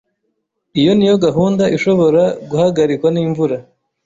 Iyo niyo gahunda ishobora guhagarikwa nimvura.